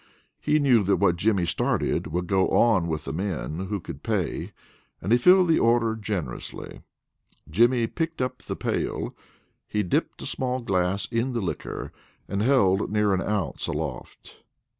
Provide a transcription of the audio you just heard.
He knew that what Jimmy started would go on with men who could pay, and he filled the order generously. Jimmy picked up the pail. He dipped a small glass in the liquor, and held near an ounce aloft.